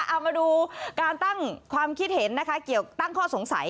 เอามาดูการตั้งความคิดเห็นนะคะเกี่ยวตั้งข้อสงสัย